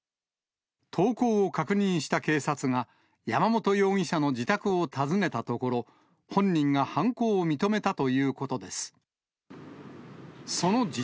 投稿を確認した警察が、山本容疑者の自宅を訪ねたところ、本人が犯行を認めたということです。